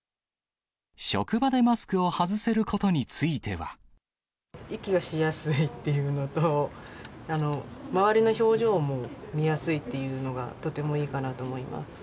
職場でマスクを外せることに息がしやすいというのと、周りの表情も見やすいっていうのが、とてもいいかなと思います。